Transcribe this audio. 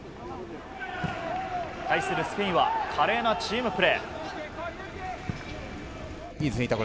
対するスペインは華麗なチームプレー。